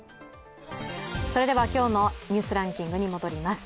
それでは今日のニュースランキングに戻ります。